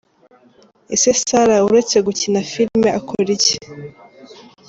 Ese Sarah uretse Gukina filime akora iki?.